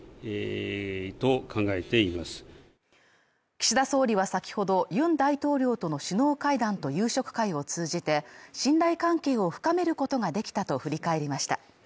岸田総理は先ほどユン大統領との首脳会談と夕食会を通じて信頼関係を深めることができたと振り返りました。